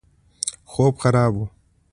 خوب خراب وو.